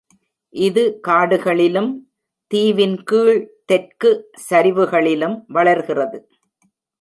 இது காடுகளிலும், தீவின் கீழ் தெற்கு சரிவுகளிலும் வளர்கிறது.